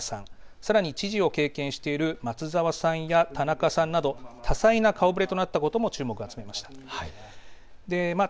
さらに知事を経験している松沢さんや田中さんなど多彩な顔ぶれとなったことも注目を集めました。